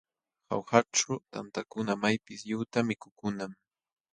Jaujaćhu tantakuna maypis lliwta mikukunam.